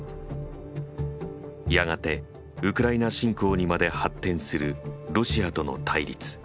やがてウクライナ侵攻にまで発展するロシアとの対立。